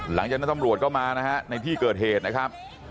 หลังจากนั้นตำรวจก็มานะฮะในที่เกิดเหตุนะครับ